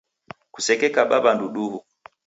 Kusekekaba w'andu duhu